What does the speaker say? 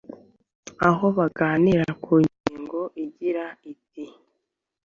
aho baganira ku ngingo igira iti